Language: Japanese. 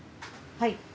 はい。